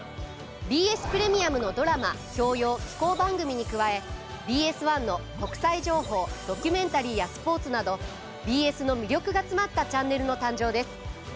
ＢＳプレミアムのドラマ教養紀行番組に加えＢＳ１の国際情報ドキュメンタリーやスポーツなどＢＳの魅力が詰まったチャンネルの誕生です。